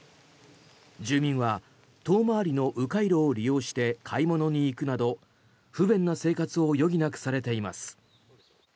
住民は遠回りの迂回路を利用して買い物に行くなど不便な生活を余儀なくされています。